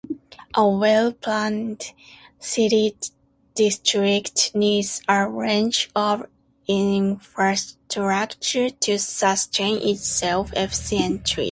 A well-planned city district needs a range of infrastructure to sustain itself efficiently.